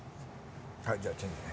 はいじゃあチェンジね。